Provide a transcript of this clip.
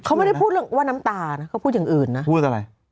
เขาไม่ได้พูดเรื่องว่าน้ำตานะเขาพูดอย่างอื่นนะพูดอะไร